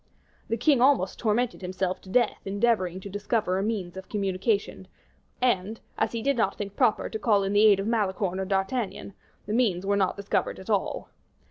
The king almost tormented himself to death endeavoring to discover a means of communication; and, as he did not think proper to call in the aid of Malicorne or D'Artagnan, the means were not discovered at all.